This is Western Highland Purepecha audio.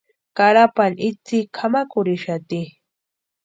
Carapani itsï kʼamakurhixati.